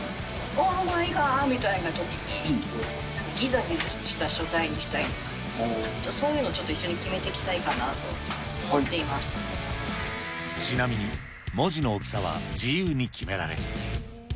オーマイガーみたいなときに、ぎざぎざした書体にしたいのか、そういうのをちょっと一緒に決めちなみに、文字の大きさは自由に決められる。